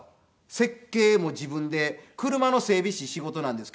設計も自分で車の整備士仕事なんですけども。